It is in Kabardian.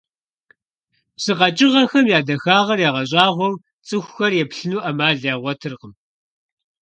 Псы къэкӀыгъэхэм я дахагъыр ягъэщӀагъуэу цӀыхухэр еплъыну Ӏэмал ягъуэтыркъым.